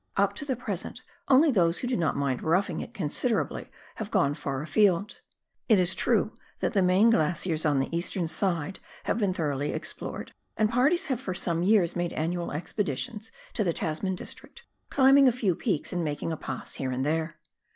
Up to the present only those who do not mind roughing it considerably have gone far afield. It is true that the main glaciers on the eastern side have been thoroughly explored, and parties have for some years made annual expedi tions to the Tasman district, climbing a few peaks and making a pass here and there.